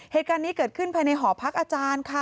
เหตุการณ์นี้เกิดขึ้นภายในหอพักอาจารย์ค่ะ